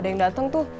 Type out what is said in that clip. ada yang datang tuh